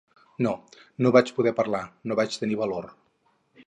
No, no vaig poder parlar, no vaig tenir valor.